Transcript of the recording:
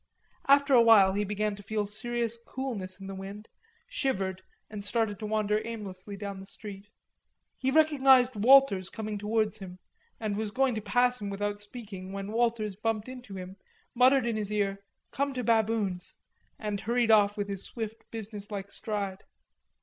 After a while he began to feel serious coolness in the wind, shivered and started to wander aimlessly down the street. He recognised Walters coming towards him and was going to pass him without speaking when Walters bumped into him, muttered in his ear "Come to Baboon's," and hurried off with his swift business like stride.